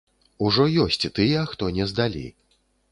Ужо ёсць тыя, хто не здалі!